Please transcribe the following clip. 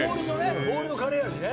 ボールのカレー味ね。